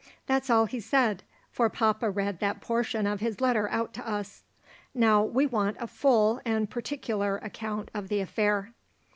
That's all he said, for papa read that portion of his letter out to us. Now we want a full and particular account of the affair."